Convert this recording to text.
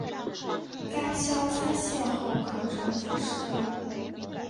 该销拆卸后可重复使用。